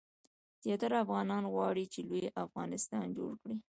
زیاتره افغانان غواړي چې لوی افغانستان جوړ شي.